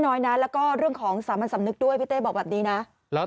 น้อยนะแล้วก็เรื่องของสามัญสำนึกด้วยพี่เต้บอกแบบนี้นะแล้ว